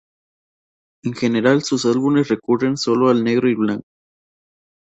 En general, sus álbumes recurren sólo al negro y blanco.